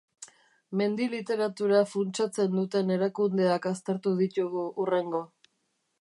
Mendi literatura funtsatzen duten erakundeak aztertu ditugu hurrengo.